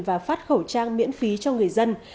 và phát khẩu trang miễn phí cho người dân